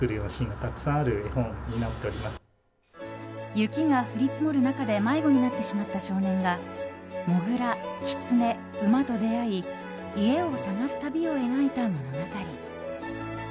雪が降り積もる中で迷子になってしまった少年がモグラ、キツネ、馬と出会い家を探す旅を描いた物語。